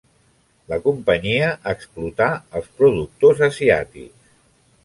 La Companyia explotà als productors asiàtics.